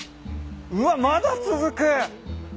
うわまだ続く！